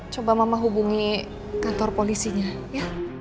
coba mama hubungi kantor polisinya ya